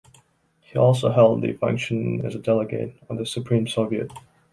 He also held the function as a delegate of the Supreme Soviet.